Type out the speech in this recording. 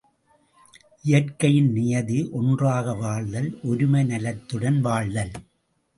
இயற்கையின் நியதி ஒன்றாக வாழ்தல் ஒருமை நலத்துடன் வாழ்தல்.